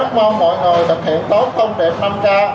rất mong mọi người thực hiện tốt thông điệp năm k